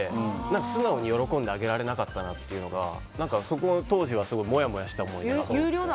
素直に喜んであげられなかったなというのがそこは当時はすごいもやもやした思い出が。